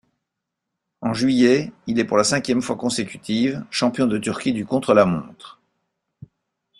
En juillet, il est pour la cinquième fois consécutive champion de Turquie du contre-la-montre.